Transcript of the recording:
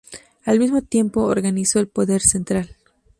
Al mismo tiempo, organizó el poder central.